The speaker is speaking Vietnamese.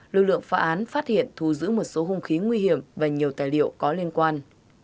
lực lượng phá án phát hiện thu giữ một số hung khí nguy hiểm và nhiều tài liệu có liên quan